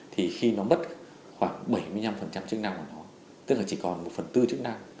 thì khi nó mất khoảng bảy mươi năm chức năng của nó tức là chỉ còn một phần tư chức năng